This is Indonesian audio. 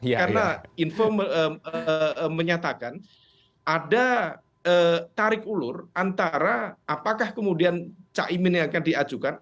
karena info menyatakan ada tarik ulur antara apakah kemudian cak imin yang akan diajukan